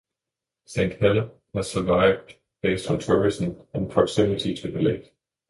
Saint Helen has survived based on tourism and proximity to the lake.